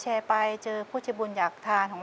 แต่ที่แม่ก็รักลูกมากทั้งสองคน